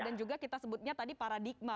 dan juga kita sebutnya tadi paradigma